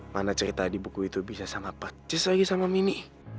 mana cerita di buku itu bisa sama pak cis lagi sama mini